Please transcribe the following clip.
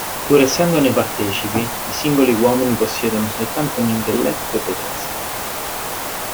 Pur essendone partecipi, i singoli uomini possiedono soltanto un intelletto potenziale.